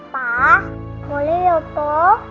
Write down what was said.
pa boleh ya pa